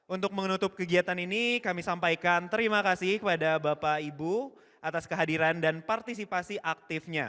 untuk menutup kegiatan ini kami sampaikan terima kasih kepada bapak ibu atas kehadiran dan partisipasi aktifnya